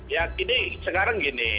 ya ini sekarang gini